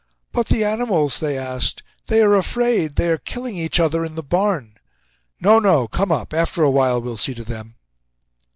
"But the animals?" they asked. "They are afraid. They are killing each other in the barn." "No, no; come up! After a while we'll see to them."